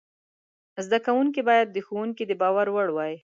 زده کوونکي باید د ښوونکي د باور وړ وای.